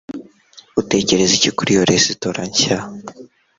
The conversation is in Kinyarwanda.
utekereza iki kuri iyo resitora nshya